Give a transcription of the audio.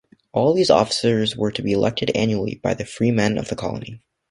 All these officers were to be elected annually by the freemen of the colony.